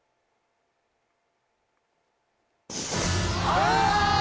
あ！